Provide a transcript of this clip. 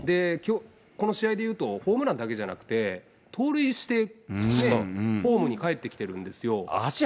この試合でいうと、ホームランだけじゃなくて、盗塁してホームに帰ってきてるんですよ。